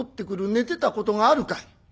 寝てたことがあるかい？